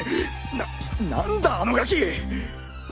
な何だあのガキ！？